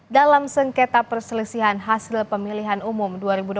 dalam sengketa perselisihan hasil pemilihan umum dua ribu dua puluh